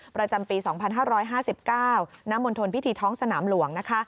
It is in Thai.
ประจำปี๒๕๕๙ณมณฑลพิธีท้องสนามหลวง